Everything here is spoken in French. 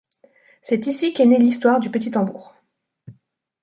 C’est ici qu’est née l’histoire du petit tambour.